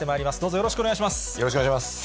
よろしくお願いします。